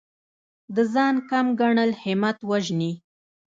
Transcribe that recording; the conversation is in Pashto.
د ځان کم ګڼل همت وژني.